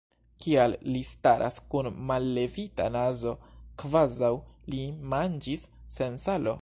Kial li staras kun mallevita nazo, kvazaŭ li manĝis sen salo?